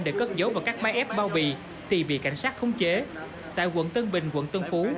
để cất dấu vào các máy ép bao bì thì bị cảnh sát khống chế tại quận tân bình quận tân phú